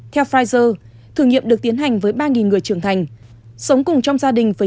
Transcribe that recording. theo pfizer thử nghiệm được tiến hành với ba người trưởng thành sống cùng trong gia đình với